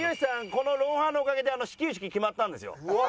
この『ロンハー』のおかげで始球式決まったんですよ。